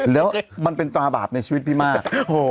แล้วมันเป็นตราบาปในชีวิตพี่มาก